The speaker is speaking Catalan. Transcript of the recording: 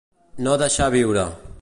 No deixar viure.